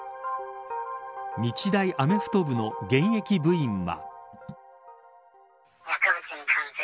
日大アメフト部の現役部員は。